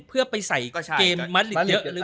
เพื่อไปใส่เกมมัดอีกเยอะ